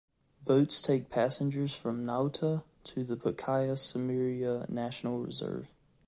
Boats take passengers from Nauta to the Pacaya-Samiria National Reserve.